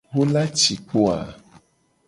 Wo la ci kpo a?